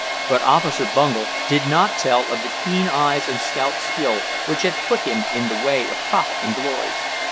But Officer Bungel did not tell of the keen eyes and scout skill which had put him in the way of profit and glory.